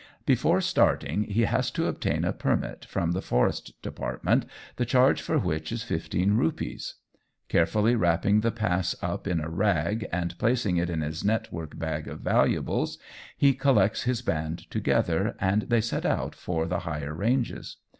Before starting, he has to obtain a 'permit' from the Forest Department, the charge for which is 15 rupees. Carefully wrapping the pass up in a rag, and placing it in his network bag of valuables, he collects his band together, and they set out for the higher ranges.